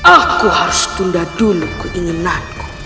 aku harus tunda dulu keinginanku